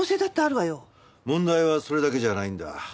問題はそれだけじゃないんだ。